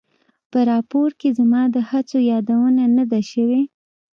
په راپور کې زما د هڅو یادونه نه ده شوې.